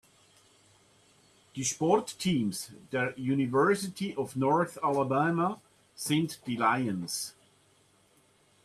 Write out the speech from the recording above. Die Sportteams der University of North Alabama sind die "Lions".